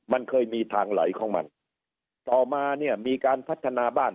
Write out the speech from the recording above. มันเคยมีทางไหลของมันต่อมาเนี่ยมีการพัฒนาบ้าน